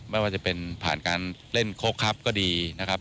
ไม่ว่าจะเป็นผ่านการเล่นโค้กครับก็ดีนะครับ